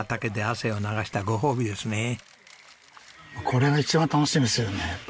これが一番楽しみですよね。